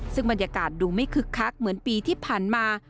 ซึ่งบรรยากาศดูไม่คึกคักเหมือนปีที่ผ่านมา